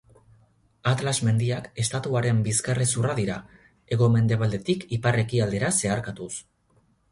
Atlas mendiak estatuaren bizkarrezurra dira, hego-mendebaldetik ipar-ekialdera zeharkatuz.